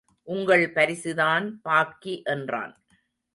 உங்கள் பரிசுதான் பாக்கி என்றான்.